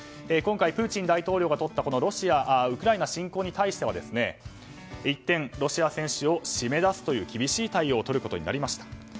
今回、プーチン大統領がとったウクライナ侵攻に対しては一転、ロシア選手を締め出すという厳しい対応をとることになりました。